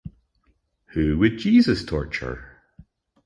Who Would Jesus Torture?